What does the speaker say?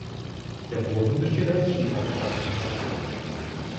Der Boden besteht aus Schieferplatten.